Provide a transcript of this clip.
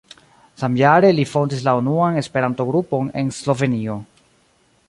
Samjare li fondis la unuan Esperanto-grupon en Slovenio.